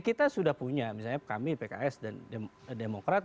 kita sudah punya misalnya kami pks dan demokrat